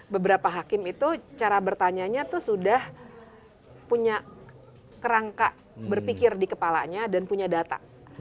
beberapa hakim itu cara bertanya tuh sudah punya kerangka berpikir di kepalanya dan punya data